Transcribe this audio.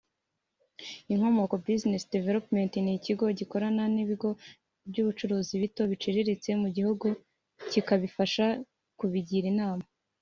Inkomoko Business Development ni ikigo gikorana n’ibigo by’ubucuruzi bito n’ibiciritse mu gihugu kikabifasha kibigira inama